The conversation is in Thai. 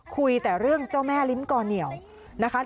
คุยแต่เรื่องเจ้าแม่ลิ้มก่อเหนียวนะคะ